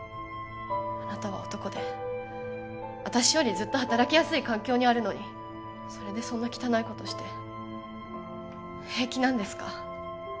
あなたは男で私よりずっと働きやすい環境にあるのにそれでそんな汚いことして平気なんですか？